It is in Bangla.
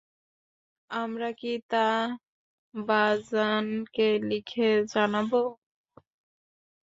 আমরা কি তা বাযানকে লিখে জানাব?